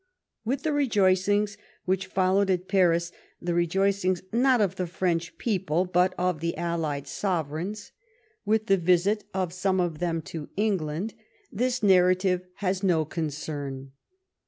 With the rejoicings which followed at Paris — the rejoicings, not of the French people, but of the allied Sovereigns ; with the visit of some of them to England ; 130 LIFE OF FBINCE METTEBNICH. this narrative has no concern.